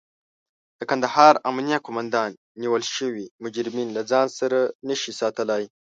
د کندهار امنيه قوماندان نيول شوي مجرمين له ځان سره نشي ساتلای.